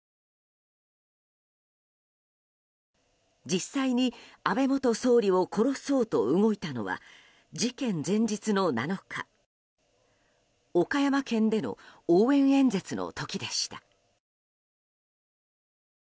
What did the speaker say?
実際に安倍元総理を殺そうと動いたのは事件前日の７日岡山県での応援演説の時でした。